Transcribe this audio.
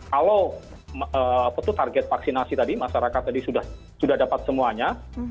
kalau target vaksinasi tadi masyarakat tadi sudah dapat semuanya